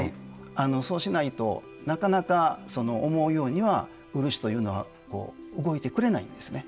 そうしないとなかなか思うようには漆というのは動いてくれないんですね。